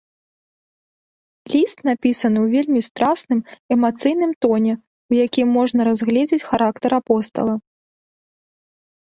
Ліст напісаны ў вельмі страсным, эмацыйным тоне, у якім можна разгледзіць характар апостала.